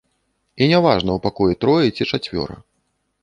І няважна, у пакоі трое ці чацвёра.